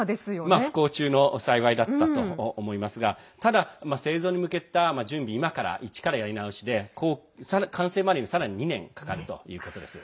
不幸中の幸いだったと思いますがただ、製造に向けた準備今から、一からやり直しで完成までにさらに２年かかるということです。